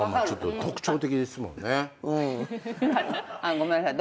ごめんなさい。